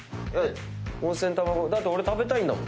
温泉玉子だって俺食べたいんだもん。